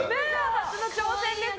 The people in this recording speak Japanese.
初の挑戦です。